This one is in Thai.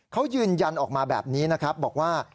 เขายืนยันออกมาแบบนี้นะครับบอกว่า